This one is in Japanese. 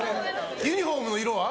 ユニホームの色は？